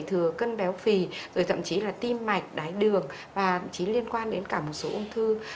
thừa cân béo phì rồi thậm chí là tim mạch đái đường và chí liên quan đến cả một số ung thư